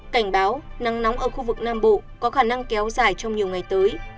cảnh báo nắng nóng ở khu vực nam bộ có khả năng kéo dài trong nhiều ngày tới